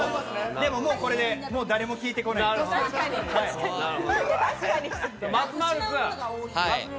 でも、もうこれで誰も聞いて松丸君。